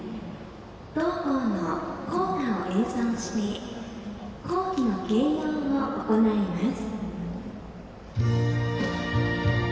同校の校歌を演奏して校旗の掲揚を行います。